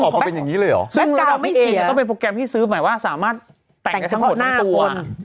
ไม่เดี๋ยวก่อน